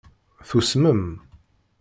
Tusmem.